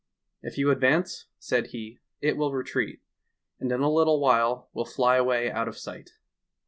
"If you advance," said he, "it will retreat, and in a little while will fly away out of sight."